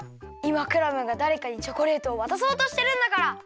いまクラムがだれかにチョコレートをわたそうとしてるんだから！